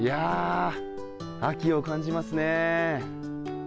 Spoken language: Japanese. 秋を感じますね。